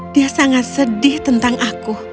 dia sangat sedih tentang aku